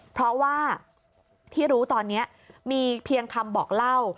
เพราะว่าที่รู้ตอนนี้มีเพียงคำบอกเล่า